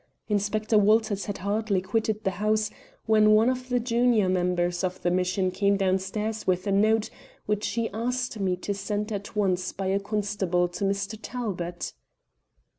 Inspector Walters had hardly quitted the house, when one of the junior members of the mission came downstairs with a note which he asked me to send at once by a constable to Mr. Talbot."